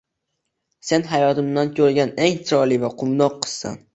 - Sen hayotimda ko'rgan eng chiroyli va quvnoq qizsan!